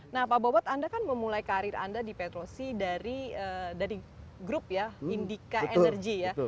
nah pak bobot anda kan memulai karir anda di petrosi dari grup indica energy